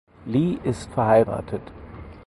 Li ist verheiratet.